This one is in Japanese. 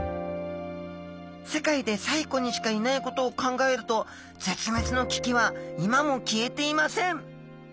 世界で西湖にしかいないことを考えると絶滅の危機は今も消えていません。